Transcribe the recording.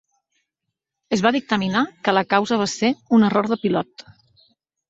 Es va dictaminar que la causa va ser un "error del pilot".